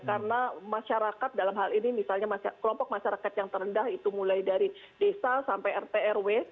karena masyarakat dalam hal ini misalnya kelompok masyarakat yang terendah itu mulai dari desa sampai rt rw